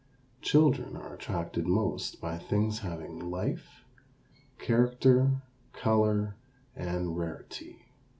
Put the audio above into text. Children are attracted most by things having life, character, color, and rarity.